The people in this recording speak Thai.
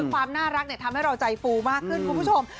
ความน่ารักทำให้เราใจฟูมากขึ้นคุณผู้ชม